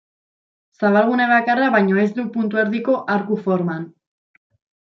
Zabalgune bakarra baino ez du puntu erdiko arku forman.